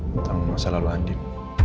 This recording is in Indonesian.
tentang masalah landin